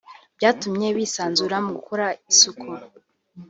byatumye bisanzura mu gukora isuku